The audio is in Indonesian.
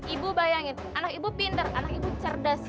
ibu bayangin anak ibu pinter anak ibu cerdas